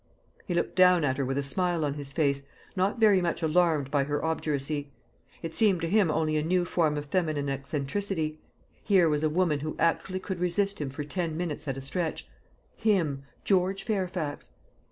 He looked down at her with a smile on his face, not very much alarmed by her obduracy. It seemed to him only a new form of feminine eccentricity. Here was a woman who actually could resist him for ten minutes at a stretch him, George Fairfax!